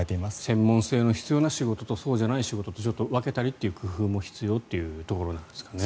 専門性の必要な仕事とそうでない仕事と分けたりという工夫も必要というところなんですかね。